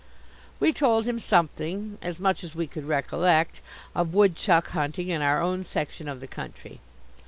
We told him something as much as we could recollect of woodchuck hunting in our own section of the country.